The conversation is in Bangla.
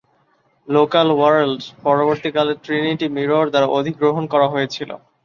লোকাল ওয়ার্ল্ড পরবর্তীকালে ট্রিনিটি মিরর দ্বারা অধিগ্রহণ করা হয়েছিল।